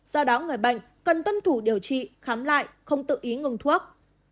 do đó người bệnh cần tuân thủ điều trị khám lại không tự ý ngừng thuốc